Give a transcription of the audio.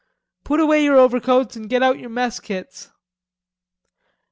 "Put away your overcoats and get out your mess kits."